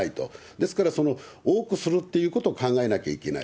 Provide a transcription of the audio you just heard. ですから、多くするっていうことを考えなきゃいけない。